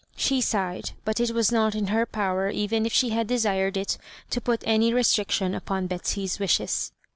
She sighed ; but it was not in her power, even if she bad desired it, to put any restriction upon Betsy's wishes.